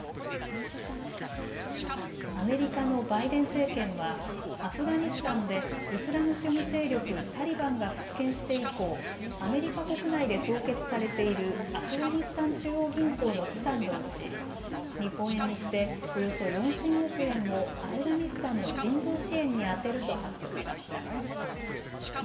アメリカのバイデン政権はアフガニスタンでイスラム主義勢力タリバンが復権して以降、アメリカ国内で凍結されているアフガニスタン中央銀行の資産のうち日本円にしておよそ４０００億円をアフガニスタンの人道支援に充てると発表しました。